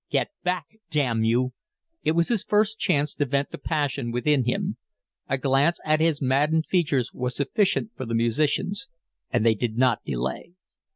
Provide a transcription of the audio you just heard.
"Get back, damn you!" It was his first chance to vent the passion within him. A glance at his maddened features was sufficient for the musicians, and they did not delay.